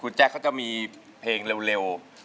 คุณแจ็คเค้าจะมีเพลงเร็ว